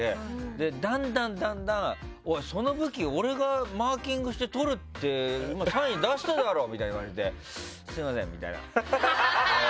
で、だんだんその武器俺がマーキングして取るってサイン出しただろって言われてすみませんみたいな。